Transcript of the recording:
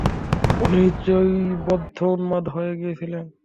উনি নিশ্চয়ই বদ্ধ উন্মাদ হয়ে গিয়েছিলেন।